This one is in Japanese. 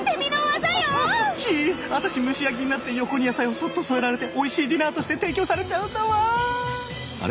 アタシ蒸し焼きになって横に野菜をそっと添えられておいしいディナーとして提供されちゃうんだわあ！